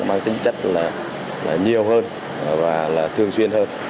mang tính chất nhiều hơn và thường xuyên hơn